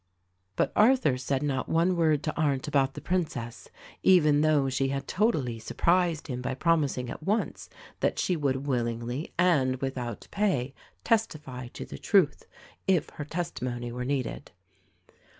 But Arthur said not one word to Arndt about the Prin cess, even though she had totally surprised him by promis ing at once that she would willingly and without pay testify to the truth, if her testimony were needed.